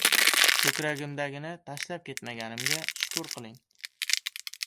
— Ko‘kragimdagini tashlab ketmaganimga shukur qiling.